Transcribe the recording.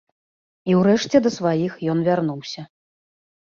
І ўрэшце да сваіх ён вярнуўся.